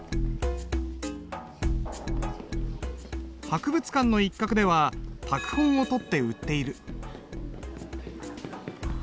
博物館の一角では拓本をとって売っている。